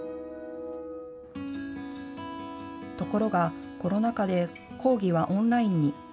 ところが、コロナ禍で講義はオンラインに。